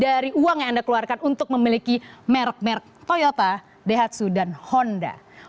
dari uang yang anda keluarkan untuk memiliki merek merek toyota daihatsu dan honda